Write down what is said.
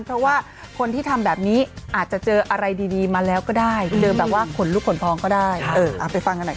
เพราะว่าคนที่ทำแบบนี้อาจจะเจออะไรดีมาแล้วก็ได้เจอแบบว่าขนลุกขนพองก็ได้ไปฟังกันหน่อยค่ะ